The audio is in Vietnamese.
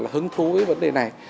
hứng thú với vấn đề này